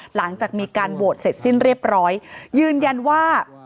หลังจากมีการโหวตเสร็จสิ้นเรียบร้อยยืนยันว่า